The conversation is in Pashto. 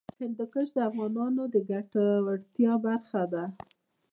هندوکش د افغانانو د ګټورتیا برخه ده.